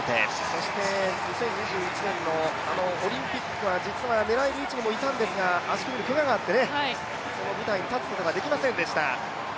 そして、２０２１年のあのオリンピックは実は狙える位置にはいたんですが足首にけががあって、その舞台に立つことができませんでした。